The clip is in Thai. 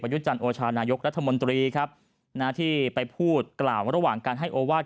ยุจันโอชานายกรัฐมนตรีครับนะที่ไปพูดกล่าวระหว่างการให้โอวาส